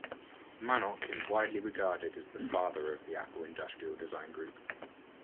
Manock is widely regarded as the "father" of the Apple Industrial Design Group.